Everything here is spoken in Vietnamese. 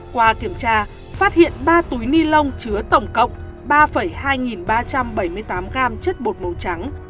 qua kiểm tra phát hiện ba túi ni lông chứa tổng cộng ba hai ba trăm bảy mươi tám g chất bột màu trắng